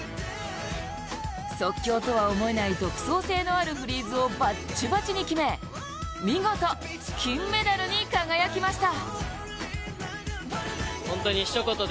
即興とは思えない、独創性のあるフリーズをバッチバチに決め見事、金メダルに輝きました。